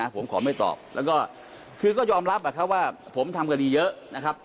ผมขอไม่ตอบแล้วก็คือก็ยอมรับว่าผมทำคดีเยอะนะครับ